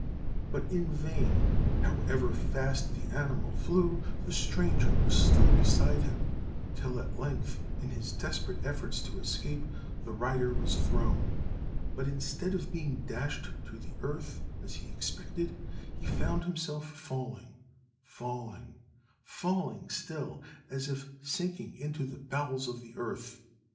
But in vain: however fast the animal flew, the stranger was still beside him, till at length, in his desperate efforts to escape, the rider was thrown; but instead of being dashed to the earth, as he expected, he found himself falling—falling—falling still, as if sinking into the bowels of the earth.